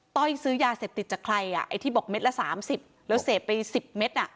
ต้อยซื้อยาเสพติดจากใครอ่ะไอ้ที่บอกเด็ดละสามสิบแล้วเสพไปสิบเม็ดอ่ะ